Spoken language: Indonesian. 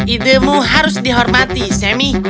idemu harus dihormati sammy